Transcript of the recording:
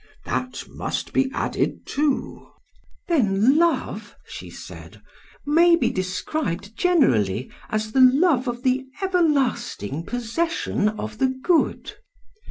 "'That must be added too.' "'Then love,' she said, may be described generally as the love of the everlasting possession of the good?'